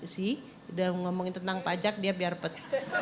si udah ngomongin tentang pajak dia biar pet